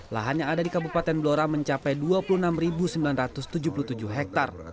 lahan yang ada di kabupaten blora mencapai dua puluh enam sembilan ratus tujuh puluh tujuh hektare